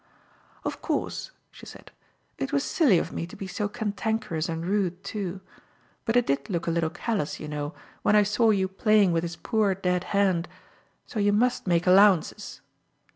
"Of course," she said, "it was silly of me to be so cantankerous and rude, too. But it did look a little callous, you know, when I saw you playing with his poor, dead hand; so you must make allowances."